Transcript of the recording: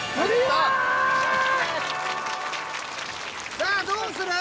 さあどうする？